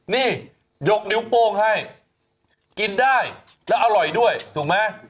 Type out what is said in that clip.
นี่ยกนิ้วโป้งให้กินได้แล้วอร่อยด้วยถูกไหม